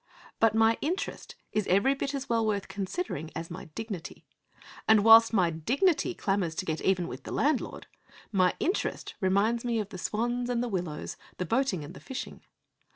But my interest is every bit as well worth considering as my dignity. And whilst my dignity clamours to get even with the landlord, my interest reminds me of the swans and the willows, the boating and the fishing.